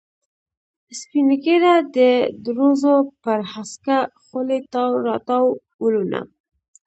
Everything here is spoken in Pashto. سپینه ږیره، د دروزو پر هسکه خولې تاو را تاو ولونه.